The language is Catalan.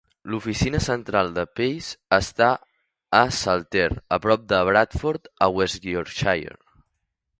L'oficina central de Pace està a Saltaire, a prop de Bradford, a West Yorkshire.